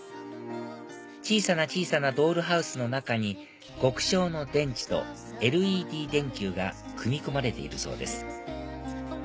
小さな小さなドールハウスの中に極小の電池とＬＥＤ電球が組み込まれているそうです